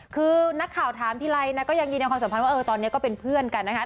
คือนักข่าวถามทีไรนะก็ยังยืนยันความสัมพันธ์ว่าตอนนี้ก็เป็นเพื่อนกันนะคะ